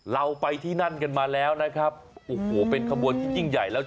เราไปที่นั่นกันมาแล้วนะครับโอ้โหเป็นขบวนที่ยิ่งใหญ่แล้ว